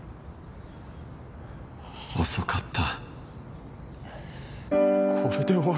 遅かった